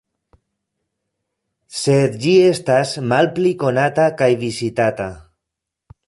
Sed ĝi estas malpli konata kaj vizitata.